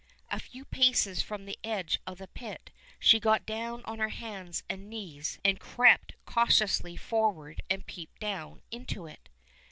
A few paces from the edge of the pit she got down on her hands and knees and crept cautiously forward and peeped down into it.